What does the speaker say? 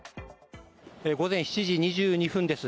午前７時２２分です。